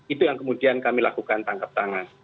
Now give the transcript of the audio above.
itu yang kemudian kami lakukan tangkap tangan